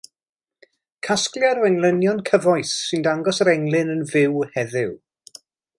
Casgliad o englynion cyfoes sy'n dangos yr englyn yn fyw heddiw.